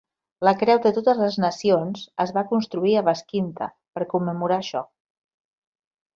La creu de totes les nacions es va construir a Baskinta per commemorar això.